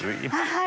はい。